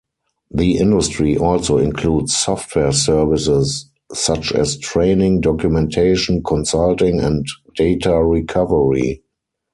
The industry also includes software services, such as training, documentation, consulting and data recovery.